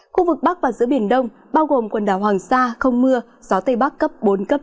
khu vực bắc và giữa biển đông bao gồm quần đảo hoàng sa không mưa gió tây bắc cấp bốn cấp năm